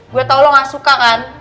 gue tau lo gak suka kan